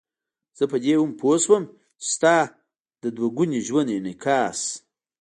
زه په دې هم پوه شوم چې ستا د دوه ګوني ژوند انعکاس.